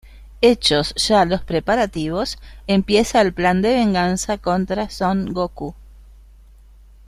Hechos ya los preparativos, empieza el plan de venganza contra Son Gokū.